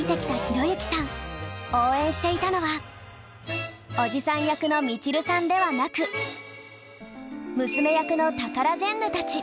応援していたのはおじさん役のみちるさんではなく娘役のタカラジェンヌたち。